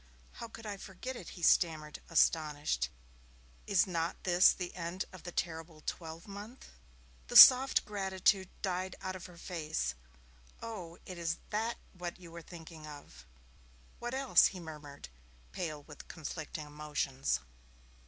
'How could I forget it?' he stammered, astonished. 'Is not this the end of the terrible twelve month?' The soft gratitude died out of her face. 'Oh, is that what you were thinking of?' 'What else?' he murmured, pale with conflicting emotions.